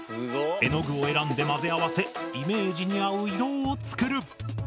絵の具を選んで混ぜ合わせイメージに合う色を作る。